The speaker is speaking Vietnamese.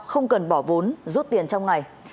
không cần bỏ vốn rút tiền trong ngày